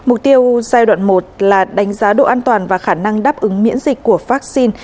mục tiêu giai đoạn một là đánh giá độ an toàn và khả năng đáp ứng miễn dịch của vaccine